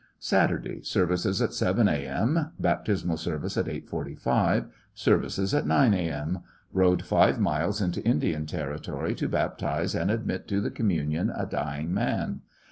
Saturday. Services at 7 a.m. Baptismal service at 8:45. Services at 9 a.m. Eode five miles into Indian Territory to baptize and admit to the communion a dying man.